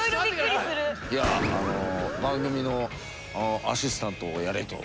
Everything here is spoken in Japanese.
いやあの番組のアシスタントをやれと。